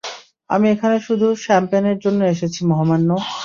আমি এখানে শুধু শ্যাম্পেনের জন্য এসেছি, মহামান্য!